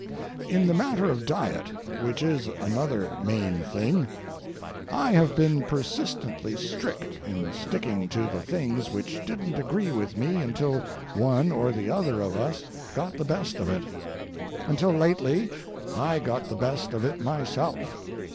In the matter of diet—which is another main thing—I have been persistently strict in sticking to the things which didn't agree with me until one or the other of us got the best of it. Until lately I got the best of it myself.